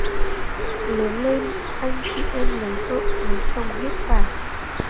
Lớn lên anh chị em lấy vợ lấy chồng hết cả